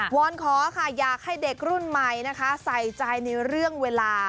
อนขอค่ะอยากให้เด็กรุ่นใหม่นะคะใส่ใจในเรื่องเวลา